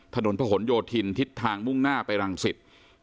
ถนนพระหลโยธินทิศทางมุ่งหน้าไปรังสิต